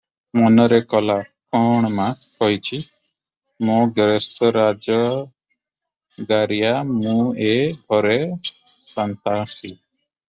ମନରେ କଲା, "କଣ! ମା କହିଛି, ମୋ ଗେରସ୍ତ ରୋଜଗାରିଆ, ମୁଁ ଏ ଘରେ ସାନ୍ତାଣୀ ।